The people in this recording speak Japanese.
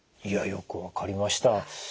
いやよく分かりました。